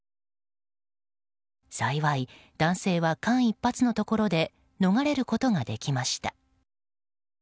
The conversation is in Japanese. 幸い、男性は間一髪のところで逃れることができました。